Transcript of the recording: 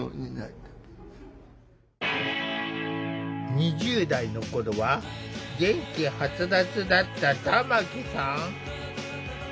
２０代の頃は元気はつらつだった玉木さん。